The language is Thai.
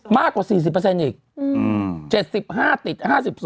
มากกว่า๔๐อีก๗๕ติด๕๒